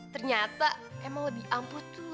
ternyata emang lebih ampuh tuh